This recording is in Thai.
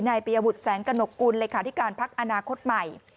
ปียบุตรแสงกระหนกกุลเลขาธิการพักอนาคตใหม่